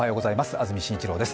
安住紳一郎です。